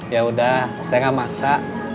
yaudah saya nggak maksa